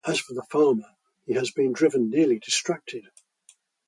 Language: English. As for the farmer, he has been driven nearly distracted.